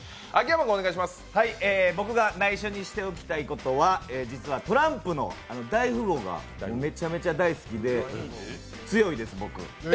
僕が内緒にしておきたいことは、実はトランプの「大富豪」がめちゃめちゃ大好きで、強いです、僕。